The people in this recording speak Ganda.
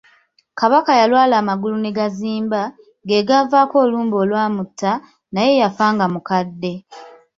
Kabaka yalwala amagulu ne gazimba, ge gaavaako olumbe olwamutta, naye yafa nga mukadde.